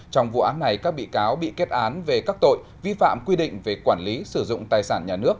trong vụ án này các bị cáo bị kết án về các tội vi phạm quy định về quản lý sử dụng tài sản nhà nước